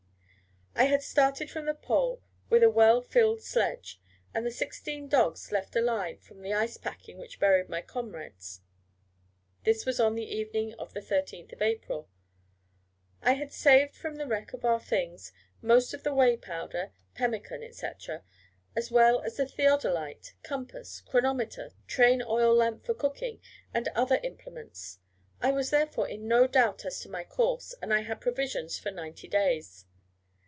I had started from the Pole with a well filled sledge, and the sixteen dogs left alive from the ice packing which buried my comrades. This was on the evening of the 13th April. I had saved from the wreck of our things most of the whey powder, pemmican, &c., as well as the theodolite, compass, chronometer, train oil lamp for cooking, and other implements: I was therefore in no doubt as to my course, and I had provisions for ninety days.